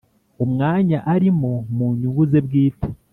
umwanya arimo mu nyungu ze bwite